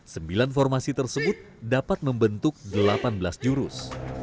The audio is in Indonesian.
sembilan formasi tersebut dapat membentuk delapan belas jurus